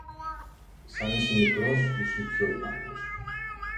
Σαν ήσουν μικρός, ήσουν πιο υπάκουος.